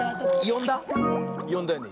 よんだよね？